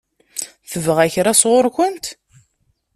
Tebɣa kra sɣur-kent?